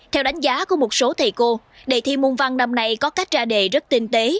theo đánh giá của một số thầy cô đề thi môn văn năm nay có cách ra đề rất tinh tế